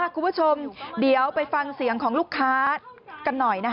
คุณผู้ชมเดี๋ยวไปฟังเสียงของลูกค้ากันหน่อย